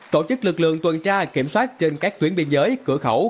tổ chức lực lượng tuần tra kiểm soát trên các tuyến biên giới cửa khẩu